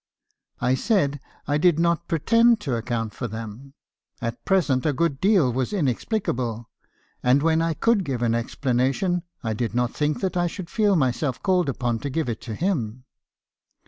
*" I said I did not pretend to account for them. At present, a good deal was inexplicable; and when I could give an explanation , I did not think that I should feel myself called upon to give it to him.